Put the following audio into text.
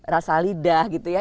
rasa lidah gitu ya